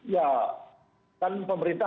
ya kan pemerintah